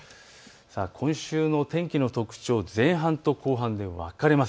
今週の天気の特徴、前半後半で分かれます。